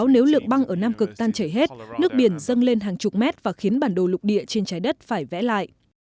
nếu lượng băng ở nam cực tan chảy hết nước biển dâng lên hàng chục mét và khiến bản đồ lục địa trên trái đất phải vẽ lại